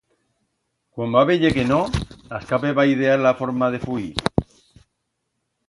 Cuan va veyer que no, a escape va idear la forma de fuir.